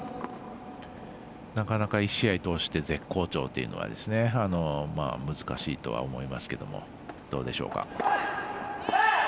なかなか、１試合通して絶好調というのは難しいとは思いますけどもどうでしょうか。